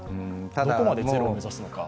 どこまでを目指すのか。